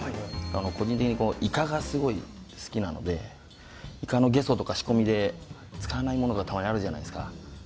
個人的にイカがすごい好きなのでイカのゲソとか仕込みで使わないものがたまにあるじゃないですか。